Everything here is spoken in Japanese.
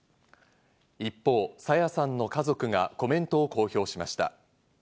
一方、朝芽さんの家族がコメントを公表しました。